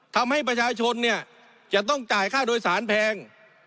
ทำให้ประชาชนเนี่ยจะต้องจ่ายค่าโดยสารแพง